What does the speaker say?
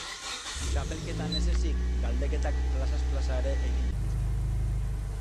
Txapelketan ez ezik galdeketak plazaz plaza ere egin dituzte.